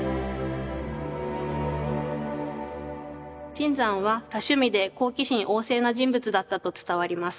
椿山は多趣味で好奇心旺盛な人物だったと伝わります。